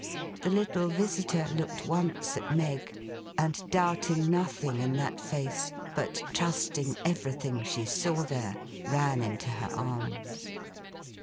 The little visitor looked once at Meg; and doubting nothing in that face, but trusting everything she saw there; ran into her arms.